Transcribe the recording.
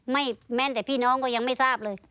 แม้แต่พี่น้องก็ยังไม่ทราบเลย